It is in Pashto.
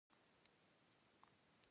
هغوی په لوړ اعتراف وویل.